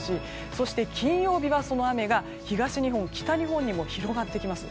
そして金曜日は、その雨が東日本、北日本にも広がってきます。